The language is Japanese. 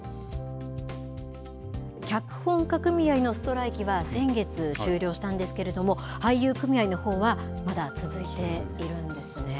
脚本家組合のストライキは先月終了したんですけれども、俳優組合のほうはまだ続いているんですね。